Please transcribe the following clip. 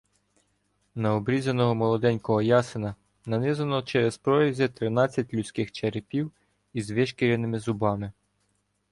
На обрізаного молоденького ясена нанизано через прорізи тринадцять людських черепів із вишкіреними зубами.